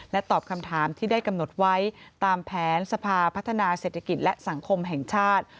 ตอบคำถามที่ได้กำหนดไว้ตามแผนสภาพัฒนาเศรษฐกิจและสังคมแห่งชาติ